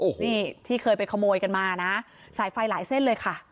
นี่ที่เคยไปขโมยกันมานะสายไฟหลายเส้นเลยค่ะ